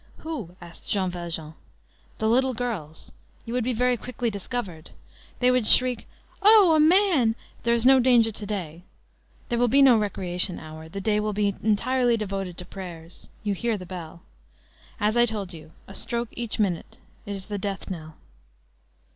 "Who?" asked Jean Valjean. "The little girls. You would be very quickly discovered. They would shriek: 'Oh! a man!' There is no danger to day. There will be no recreation hour. The day will be entirely devoted to prayers. You hear the bell. As I told you, a stroke each minute. It is the death knell."